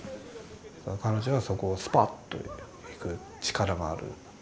彼女はそこをスパッといく力がある。